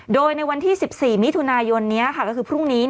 โดยในวันที่๑๔มิถุนายนนี้ก็คือพรุ่งนี้